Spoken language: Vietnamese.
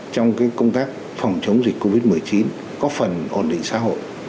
trong công tác phòng chống dịch covid một mươi chín có phần ổn định xã hội